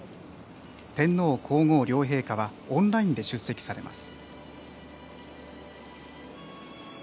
天皇皇后両陛下はオンラインで出席されます。